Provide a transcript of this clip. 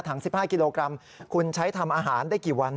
๑๕กิโลกรัมคุณใช้ทำอาหารได้กี่วัน